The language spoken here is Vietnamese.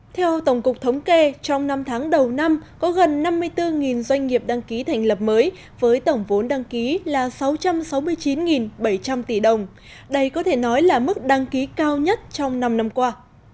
theo tổng cục thống kê trong năm tháng đầu năm có gần năm mươi bốn doanh nghiệp đăng ký thành lập mới với tổng vốn đăng ký là sáu trăm sáu mươi chín bảy trăm linh tỷ đồng đây có thể nói là mức đăng ký cao nhất trong năm năm qua